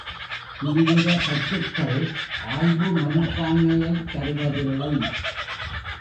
தீவிர பற்றுக்கள் ஆய்வு மனப்பான்மையைத் தருவதில்லை.